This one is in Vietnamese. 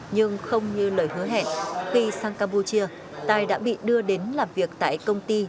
nhưng không như lời hứa hẹn khi sang campuchia tài đã bị đưa đến làm việc tại công ty